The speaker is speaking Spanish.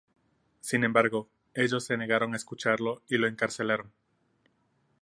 Sin embargo, ellos se negaron a escucharlo y lo encarcelaron.